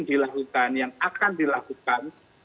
dilakukan yang akan dilakukan